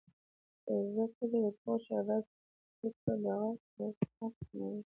ځکه چې د ټوخي شربت صرف وقتي طور دغه ارتعاش کموي